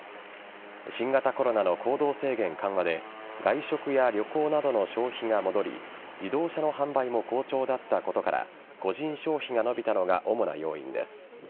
新型コロナの行動制限緩和で外食や旅行などの消費が戻り自動車の販売も好調だったことから個人消費が伸びたのが主な要因です。